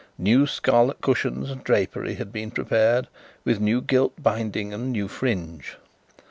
New scarlet cushions and drapery had been prepared, with new gilt binding and new fringe.